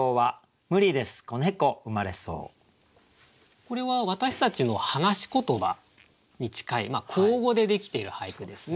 これは私たちの話し言葉に近い口語でできている俳句ですね。